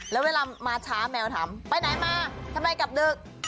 แล้วเวลามาช้าแมวถามไปไหนมาทำไมกลับดึก